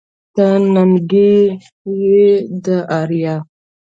ته ننگ يې د اريا